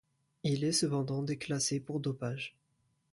Il est cependant déclassé pour dopage.